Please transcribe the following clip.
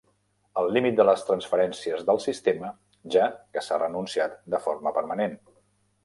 El límit de les transferències del sistema, ja que s'ha renunciat de forma permanent.